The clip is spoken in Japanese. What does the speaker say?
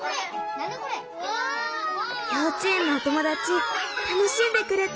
幼稚園のお友達楽しんでくれた！